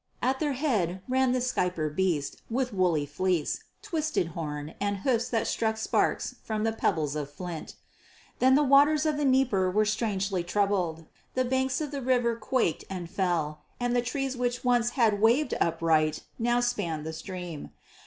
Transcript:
At their head ran the Skiper beast, with woolly fleece, twisted horn, and hoofs which struck sparks from the pebbles of flint. Then the waters of the Dnieper were strangely troubled, the banks of the river quaked and fell, and trees which once had waved upright now spanned the stream.